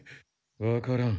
わからん。